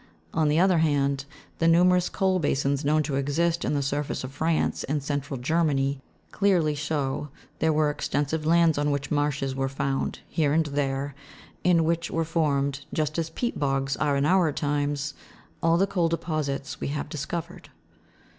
On the other hand, the numerous coal basins known to exist in the surface of France and central Germany, clearly show there were extensive lands on which marshes were found, here and there, in which were formed, just as pcat bogs are in our times, all the coal deposits we have discovered.